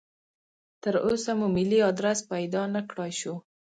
تراوسه مو ملي ادرس پیدا نکړای شو.